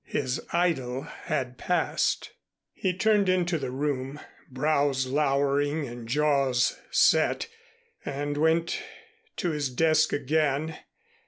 His idyl had passed. He turned into the room, brows lowering and jaws set, and went to his desk again.